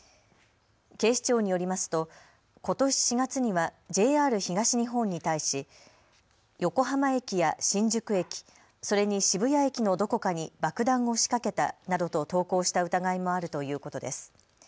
警視庁によりますとことし４月にはＪＲ東日本に対し横浜駅や新宿駅、それに渋谷駅のどこかに爆弾を仕掛けたなどと投稿した疑いもあるということです。